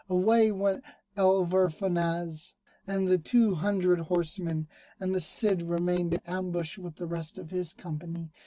Away went Alvar Fanez, and the two hundred horsemen; and the Cid remained in ambush with the rest of his company.